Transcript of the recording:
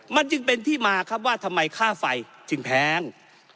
มันจึงเป็นที่มาครับว่าทำไมค่าไฟจึงแพง